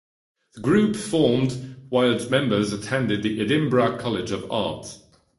The group formed while its members attended the Edinburgh College of Art.